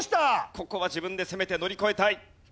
ここは自分で攻めて乗り越えたい。